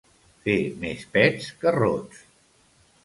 Fer més pets que rots.